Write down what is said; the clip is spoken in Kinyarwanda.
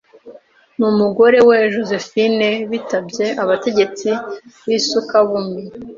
n umugore we Josephine bitabye abategetsi b i Sukabumi